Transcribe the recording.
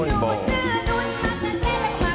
เริ่มจากเจนก่อนน่ะ